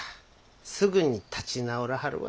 すぐに立ち直らはるわ。